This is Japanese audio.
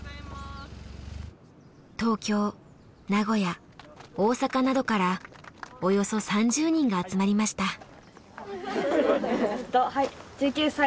東京名古屋大阪などからおよそ３０人が集まりました。